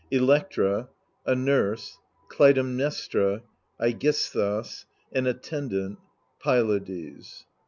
Electra. A Nurse. Clytemnestra. iEGISTHUS. An Attendant. Pylades.